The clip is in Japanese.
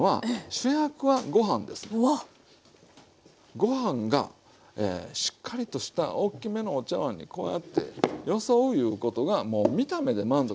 ご飯がしっかりとした大きめのお茶わんにこうやってよそういうことがもう見た目で満足するじゃないですか。